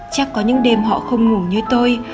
chắc có những đêm họ không ngủ như tôi